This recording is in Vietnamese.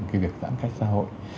cái việc giãn cách xã hội